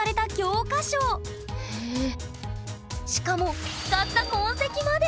しかも使った痕跡まで！